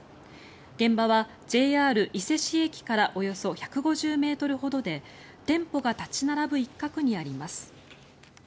現場はＪＲ伊勢市駅からおよそ１５０ｍほどで店舗が立ち並ぶ一角にあります。